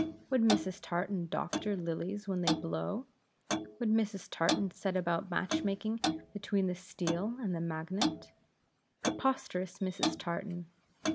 Would Mrs. Tartan doctor lilies when they blow? Would Mrs. Tartan set about match making between the steel and magnet? Preposterous Mrs. Tartan!